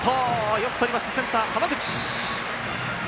よくとりましたセンター、浜口。